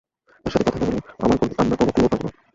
তার সাথে কথা না বললে আমরা কোনও ক্লু পাবো না।